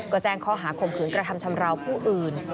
ก็แจ้งข้อหาข่มขืนกระทำชำราวผู้อื่น